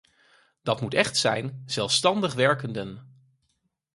Dat moet echt zijn: zelfstandig werkenden.